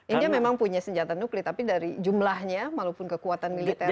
india memang punya senjata nuklir tapi dari jumlahnya malupun kekuatan militernya